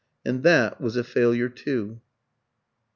And that was a failure too.